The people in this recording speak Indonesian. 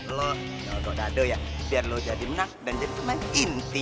lo nyoto dadu ya biar lo jadi menang dan jadi temen inti